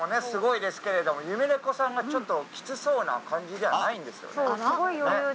すごいですけれども夢猫さんがキツそうな感じじゃないんですよね。